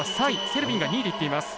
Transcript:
セルビンが２位で行っています。